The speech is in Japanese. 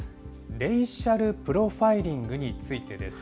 レイシャルプロファイリングについてです。